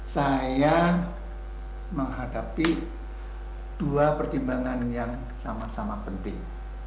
saya menghadapi dua pertimbangan yang sama sama penting